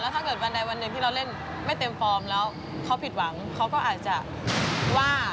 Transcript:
ถ้าเกิดวันใดวันหนึ่งที่เราเล่นไม่เต็มฟอร์มแล้วเขาผิดหวังเขาก็อาจจะว่า